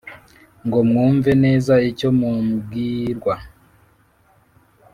ngo mwumve neza icyo mubwirwa